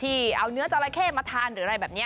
เอาเนื้อจราเข้มาทานหรืออะไรแบบนี้